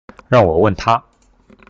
讓我問他